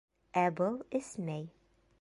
Ә был эсмәй.